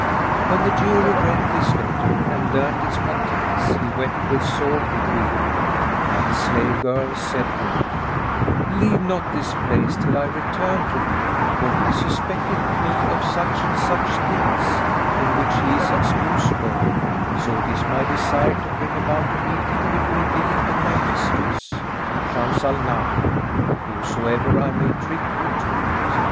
When the jeweller read this letter and learnt its contents he wept with sore weeping, and the slave girl said to him, "Leave not this place till I return to thee; for he suspecteth me of such and such things, in which he is excusable; so it is my desire to bring about a meeting between thee and my mistress, Shams al Nahar, howsoever I may trick you to it.